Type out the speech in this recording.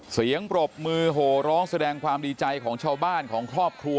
ปรบมือโหร้องแสดงความดีใจของชาวบ้านของครอบครัว